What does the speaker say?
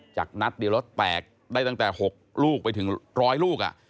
นัดเดียวแล้วแตกได้ตั้งแต่๖ลูกไปถึง๑๐๐ลูก